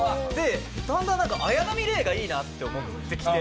だんだん、なんか、綾波レイがいいなって思ってきて。